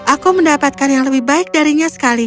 aku mendapatkan yang lebih baik darinya sekali